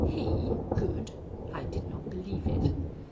He good? I did not believe it.